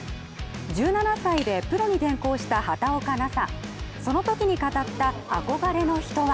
１７歳でプロに転向した畑岡奈紗。